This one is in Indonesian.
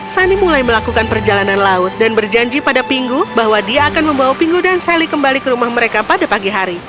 sani mulai melakukan perjalanan laut dan berjanji pada pingu bahwa dia akan membawa pingo dan sally kembali ke rumah mereka pada pagi hari